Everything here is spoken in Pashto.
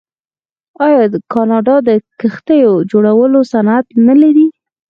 آیا کاناډا د کښتیو جوړولو صنعت نلري؟